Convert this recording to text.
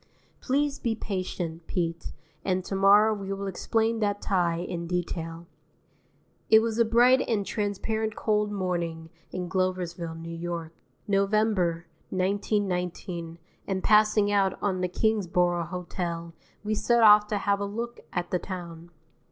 Please be patient, Pete, and to morrow we will explain that tie in detail. II It was a bright and transparent cold morning in Gloversville, N.Y., November, 1919, and passing out of the Kingsborough Hotel we set off to have a look at the town.